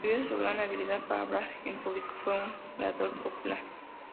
Debido a su gran habilidad para hablar en público, fue un orador popular.